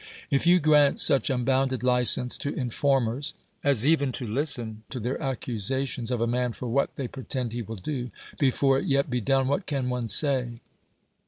If you grant such unbounded license to informers as even to listen to their accusations of a man for what they pretend he will do, before it be yet done, what can one say